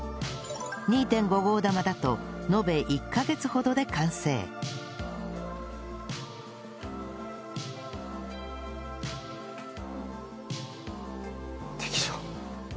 ２．５ 号玉だと延べ１カ月ほどで完成できた。